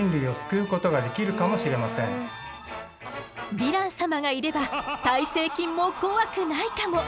ヴィラン様がいれば耐性菌も怖くないかも。